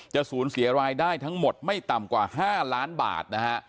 สูญเสียรายได้ทั้งหมดไม่ต่ำกว่า๕ล้านบาทนะฮะ